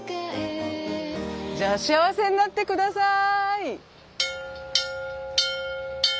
じゃあ幸せになってください！